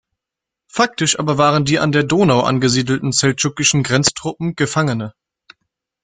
Faktisch aber waren die an der Donau angesiedelten seldschukischen Grenztruppen Gefangene.